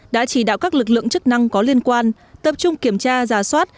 đã chỉ đạo các lực lượng chức năng có liên quan tập trung kiểm tra giả soát